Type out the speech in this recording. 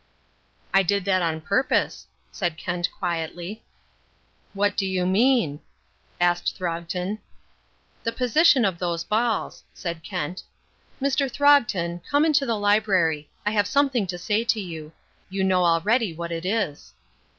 "I did that on purpose," said Kent quietly. "What do you mean?" asked Throgton. "The position of those balls," said Kent. "Mr. Throgton, come into the library. I have something to say to you. You know already what it is."